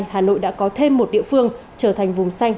hà nội đã có thêm một địa phương trở thành vùng xanh